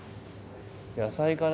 野菜かな？